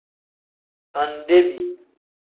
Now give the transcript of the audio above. Andebi.